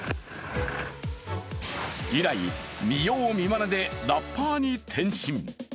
以来、見よう見まねでラッパーに転身。